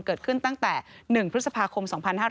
เกิดขึ้นตั้งแต่๑พฤษภาคม๒๕๕๙